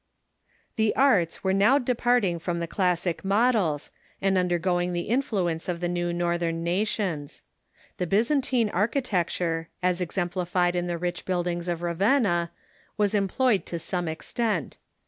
The arts were now departing from the classic models, and undergoing the influence of the new Northern nations. The Byzantine architecture, as exemplified in the rich build ings of Ravenna, was employed to some extent.